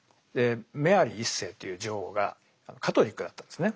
メアリー１世という女王がカトリックだったんですね。